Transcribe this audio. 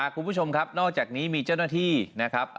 คุณผู้ชมครับนอกจากนี้มีเจ้าหน้าที่นะครับ